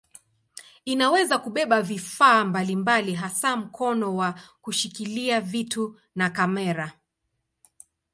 Inaweza kubeba vifaa mbalimbali hasa mkono wa kushikilia vitu na kamera.